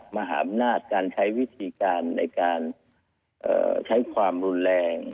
มหาอำนาจการใช้วิธีการในการใช้ความรุนแรง